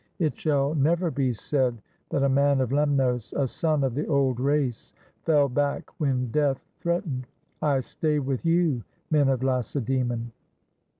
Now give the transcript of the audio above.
It shall never be said that a man of Lemnos, a son of the old race, fell back when Death threatened. I stay with you, men of Lacedaemon."